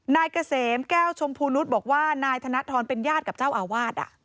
นายเกษมแก้วชมพูนุษย์บอกว่านายธนทรเป็นญาติกับเจ้าอาวาส